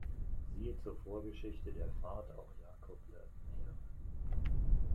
Siehe zur Vorgeschichte der Fahrt auch Jakob Le Maire